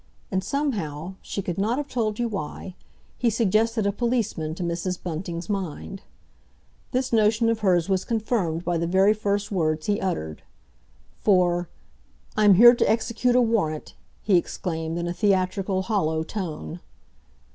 And somehow—she could not have told you why—he suggested a policeman to Mrs. Bunting's mind. This notion of hers was confirmed by the very first words he uttered. For, "I'm here to execute a warrant!" he exclaimed in a theatrical, hollow tone.